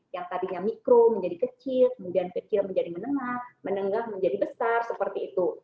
yang tadinya mikro menjadi kecil kemudian kecil menjadi menengah menengah menjadi besar seperti itu